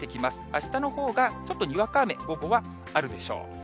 あしたのほうが、ちょっとにわか雨、午後はあるでしょう。